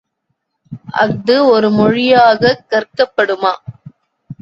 அஃது ஒரு மொழியாகக் கற்கப் படுமா?